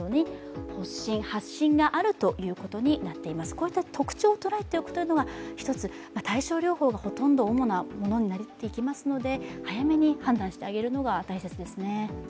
こういった特徴を捉えていくということが対症療法が主な治療法になりますので早めに判断してあげるのが大切ですね。